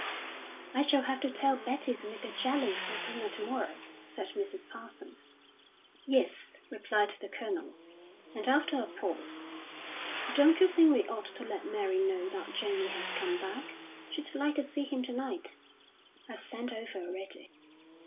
"I shall have to tell Betty to make a jelly for dinner to morrow," said Mrs. Parsons. "Yes," replied the Colonel; and after a pause: "Don't you think we ought to let Mary know that Jamie has come back? She'd like to see him to night." "I've sent over already."